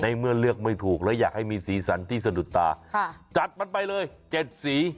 เมื่อเลือกไม่ถูกแล้วอยากให้มีสีสันที่สะดุดตาจัดมันไปเลยเจ็ดสี